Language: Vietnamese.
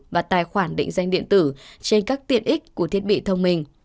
và tài khoản định danh điện tử trên các tiện ích của thiết bị thông minh